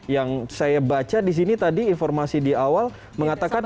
yang saya baca di sini tadi informasi di awal mengatakan